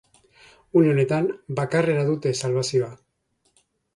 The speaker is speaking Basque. Une honetan bakarrera dute salbazioa.